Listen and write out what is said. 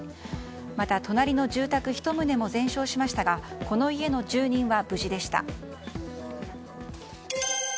また、隣の住宅１棟も全焼しましたがこの家の住人は無事でした。